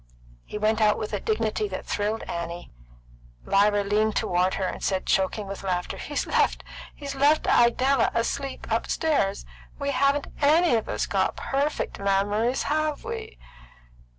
He went out with a dignity that thrilled Annie. Lyra leaned toward her and said, choking with laughter, "He's left Idella asleep upstairs. We haven't any of us got perfect memories, have we?"